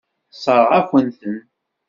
Tessṛeɣ-akent-ten.